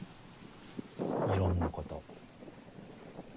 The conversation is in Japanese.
いろんなこと。